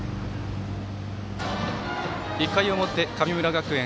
１回表、神村学園